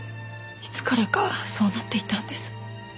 いつからかそうなっていたんです。